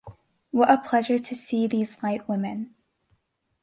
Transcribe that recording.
What a pleasure to see these light women...